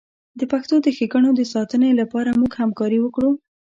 د پښتو د ښیګڼو د ساتنې لپاره موږ همکاري وکړو.